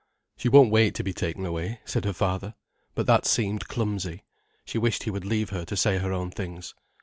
"She won't wait to be taken away," said her father. But that seemed clumsy. She wished he would leave her to say her own things.